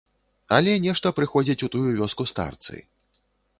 Але нешта прыходзяць у тую вёску старцы.